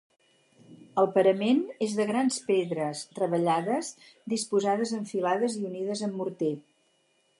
El parament és de grans pedres treballades disposades en filades i unides amb morter.